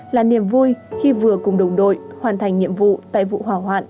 là niềm vui khi vừa cùng đồng đội hoàn thành nhiệm vụ tại vụ hỏa hoạn